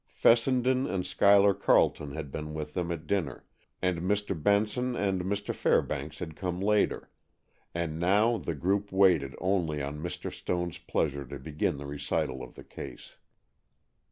Fessenden and Schuyler Carleton had been with them at dinner, and Mr. Benson and Mr. Fairbanks had come later, and now the group waited only on Mr. Stone's pleasure to begin the recital of the case.